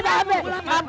maaf pak amih